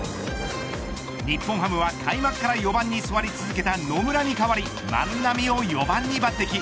日本ハムは開幕から４番に居座り続けた野村に変わり万波を４番に抜てき。